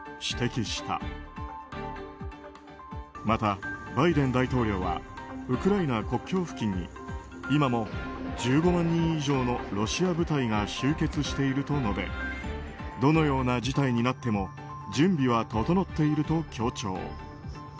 また、バイデン大統領はウクライナ国境付近に今も１５万人以上のロシア部隊が集結していると述べどのような事態になっても準備は整っていると強調。